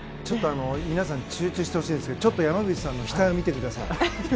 ちょっと皆さん集中してほしいんですが山口さんの額を見てください。